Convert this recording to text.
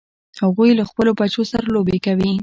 هغوی له خپلو بچو سره لوبې کوي